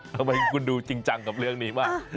ทำไมคุณดูจริงจังกับเรื่องนี้มาก